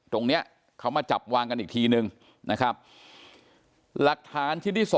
ตรงนี้เขามาจับวางกันอีกทีนึงนะครับหลักฐานชิ้นที่๒